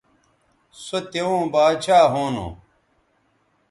سو توؤں باچھا ھونو